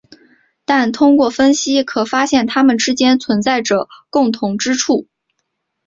但通过分析可发现它们之间存在着共同之处。